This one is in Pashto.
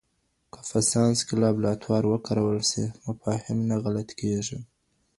که په ساینس کي لابراتوار و کارول سي، مفاهیم نه غلط تیږي.